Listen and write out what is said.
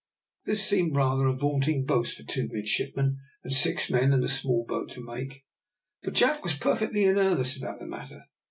This seemed rather a vaunting boast for two midshipmen and six men in a small boat to make, but Jack was perfectly in earnest about the matter.